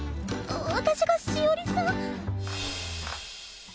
私がしおりさん？